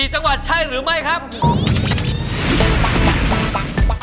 ๔จังหวัดใช่หรือไม่ครับ